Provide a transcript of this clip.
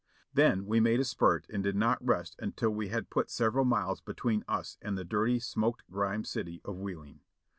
Then we made a spurt and did not rest until we had put several miles between us and the dirty, smoke grimed city of Wheeling.